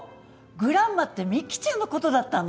グランマってミキちゃんのことだったの？